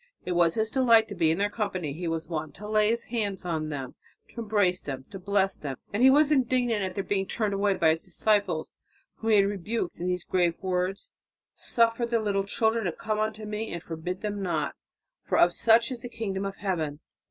"It was His delight to be in their company; He was wont to lay His hands upon them, to embrace them, to bless them. And He was indignant at their being turned away by His disciples, whom He rebuked in these grave words: 'Suffer the little children to come unto Me and forbid them not, for of such is the Kingdom of Heaven'."